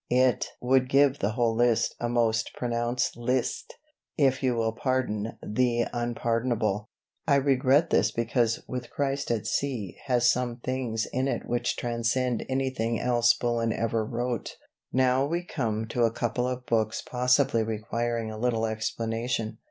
It would give the whole list a most pronounced 'list,' if you will pardon the unpardonable.... I regret this because 'With Christ at Sea' has some things in it which transcend anything else Bullen ever wrote. "Now we come to a couple of books possibly requiring a little explanation.